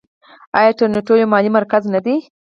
آیا تورنټو یو مالي مرکز نه دی؟